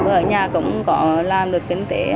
ở nhà cũng có làm được kinh tế